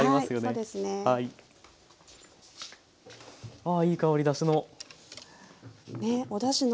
ああいい香りだしの。